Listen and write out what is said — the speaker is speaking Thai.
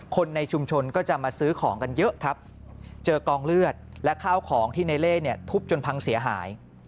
คนในชุมชนก็จะมาซื้อของกันเยอะครับเจอกองเลือดและข้าวของที่ในเล่เนี่ยทุบจนพังเสียหาย